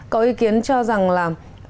có ý kiến cho rằng là